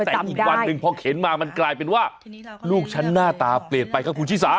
แต่อีกวันหนึ่งพอเข็นมามันกลายเป็นว่าลูกฉันหน้าตาเปลี่ยนไปครับคุณชิสา